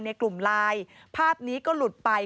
ในกลุ่มไลน์ภาพนี้ก็หลุดไป